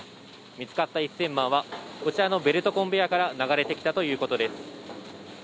見つかった１０００万は、こちらのベルトコンベアーから流れてきたということです。